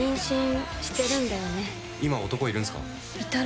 今、男いるんすか？